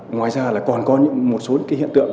ngoài ra còn có một số hiện tượng